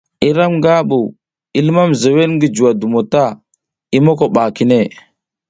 Iram nga bu, i limam zewed ngi juwa dum ta, i moko ba kine.